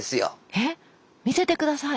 えっ⁉見せて下さい！